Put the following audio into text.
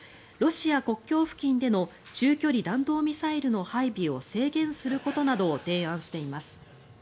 ロシア国境付近での中距離弾道ミサイルの配備を制限することなどを提案しています。